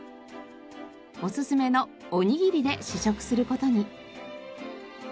おすすめのおにぎりで試食する事に。